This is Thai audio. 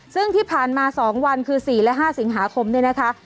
ซึ่งที่ผ่านมา๒วันคือ๔และ๕สิงหาคมเนี่ยนะคะ